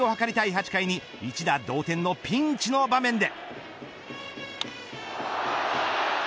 ８回に一打同点のピンチの場面で。